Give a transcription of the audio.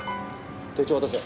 手帳を渡せ。